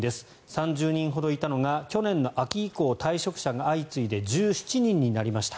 ３０人ほどいたのが去年の秋以降、退職者が相次いで１７人になりました。